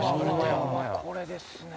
これですね。